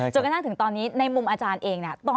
จนกระทั่งถึงตอนนี้ในมุมอาจารย์เองเนี่ย